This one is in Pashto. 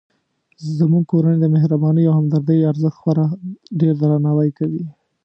زموږ کورنۍ د مهربانۍ او همدردۍ ارزښت خورا ډیردرناوی کوي